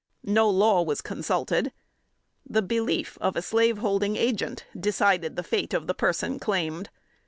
No law was consulted. The belief of a slaveholding Agent decided the fate of the person claimed.